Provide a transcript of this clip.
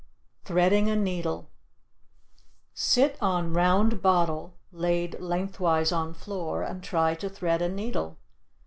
THREADING A NEEDLE Sit on round bottle laid lengthwise on floor, and try to thread a needle.